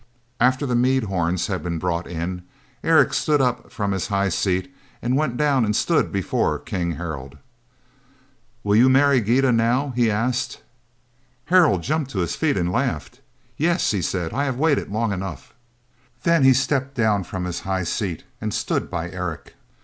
After the mead horns had been brought in, Eric stood up from his high seat and went down and stood before King Harald. "Will you marry Gyda now?" he asked. [Illustration: "I, Harald, King of Norway, take you Gyda, for my wife"] Harald jumped to his feet and laughed. "Yes," he said. "I have waited long enough." Then he stepped down from his high seat and stood by Eric.